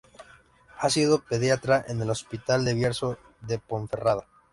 Ha sido pediatra en el Hospital El Bierzo de Ponferrada.